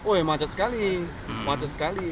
wih macet sekali macet sekali